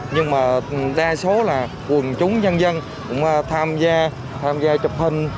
nhưng mà đa số là quần chúng nhân dân cũng tham gia tham gia chụp hình